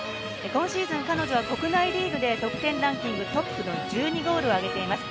今シーズン彼女は国内リーグで得点ランキングトップの１２ゴールをあげています。